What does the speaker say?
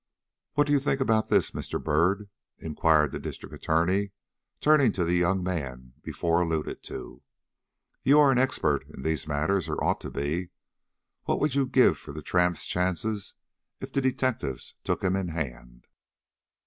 "What do you think about this, Mr. Byrd?" inquired the District Attorney, turning to the young man before alluded to. "You are an expert in these matters, or ought to be. What would you give for the tramp's chances if the detectives took him in hand?"